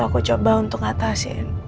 aku coba untuk atasin